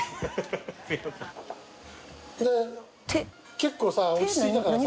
結構さ落ち着いたからさ。